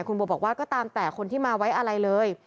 คุณโบบอกว่าก็ตามแต่คนที่มาไว้อะไรเลย